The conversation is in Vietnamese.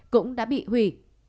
cũng đã bị hủy